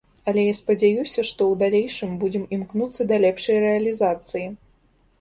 Але я спадзяюся, што ў далейшым будзем імкнуцца да лепшай рэалізацыі.